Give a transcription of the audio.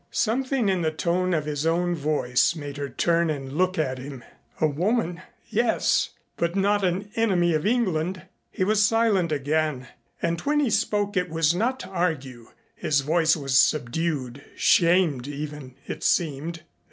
Something in the tone of his own voice made her turn and look at him. "A woman yes, but not an enemy of England." He was silent again, and when he spoke it was not to argue. His voice was subdued shamed even it seemed.